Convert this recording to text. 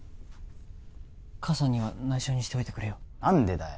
母さんには内緒にしておいてくれよ何でだよ？